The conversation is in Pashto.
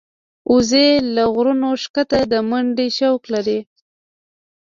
وزې له غرونو ښکته د منډې شوق لري